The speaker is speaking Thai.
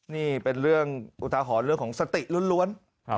นี่เป็นเรื่องอุทาหรณ์เรื่องของสติล้วน